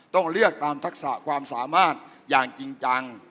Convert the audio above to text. ต้องเลือกตามทักษะความสามารถอย่างจริงจัง